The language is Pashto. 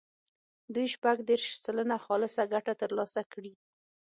دوی شپږ دېرش سلنه خالصه ګټه ترلاسه کړي.